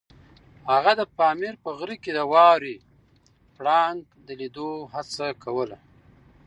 هغه د پامیر په غره کې د واورې پړانګ د لیدو هڅه کوله.